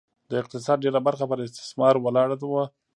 د اقتصاد ډېره برخه پر استثمار ولاړه وه.